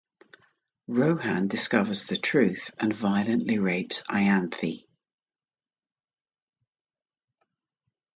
Rohan discovers the truth and violently rapes Ianthe.